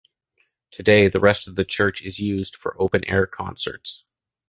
Today, the rest of the church is used for open air concerts.